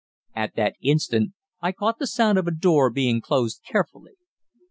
At that instant I caught the sound of a door being closed carefully.